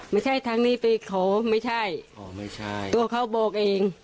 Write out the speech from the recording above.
ไม่ใช่ทางนี้ไปเขาไม่ใช่อ๋อไม่ใช่ตัวเขาบอกเอง